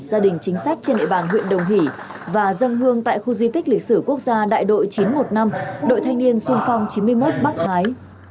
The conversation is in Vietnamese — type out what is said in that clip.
gia đình chính sách trên địa bàn huyện đồng hỷ và dân hương tại khu di tích lịch sử quốc gia đại đội chín trăm một mươi năm đội thanh niên sung phong chín mươi một bắc thái